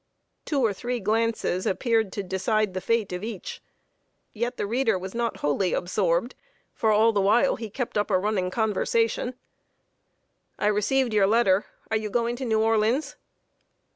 Two or three glances appeared to decide the fate of each; yet the reader was not wholly absorbed, for all the while he kept up a running conversation: "I received your letter. Are you going to New Orleans?"